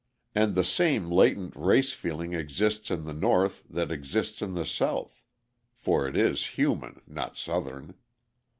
And the same latent race feeling exists in the North that exists in the South (for it is human, not Southern).